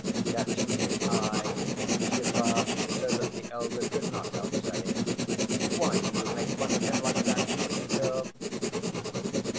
Catching his eye, she laughed so that the elder could not help saying, "Why do you make fun of him like that, naughty girl?"